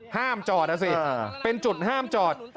ห้ามจอดนะสิเป็นจุดห้ามจอด